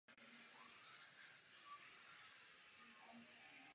Tento druh konfliktu musí logicky vyvolat Bůh.